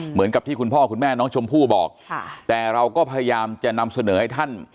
เหมือนกับที่คุณพ่อคุณแม่น้องชมพู่บอกแต่เราก็พยายามจะนำเสนอให้ท่าน